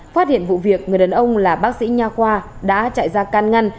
phát hiện vụ việc người đàn ông là bác sĩ nhà khoa đã chạy ra can ngăn